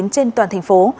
trên toàn thành phố